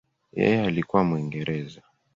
Yeye alikuwa Mwingereza.